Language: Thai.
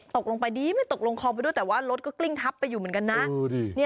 ตกลงไปดีไม่ตกลงคลองไปด้วยแต่ว่ารถก็กลิ้งทับไปอยู่เหมือนกันนะ